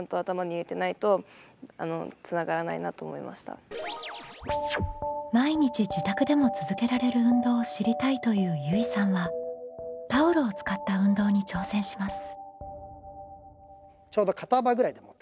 例えば「毎日自宅でも続けられる運動を知りたい」というゆいさんはタオルを使った運動に挑戦します。